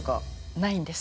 ないんです。